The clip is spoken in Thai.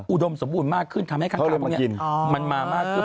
อุดมสมบูรณ์มากขึ้นทำให้ข้างพวกนี้มันมามากขึ้น